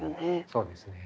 そうですね。